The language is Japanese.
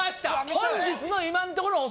本日の今んところの歩数。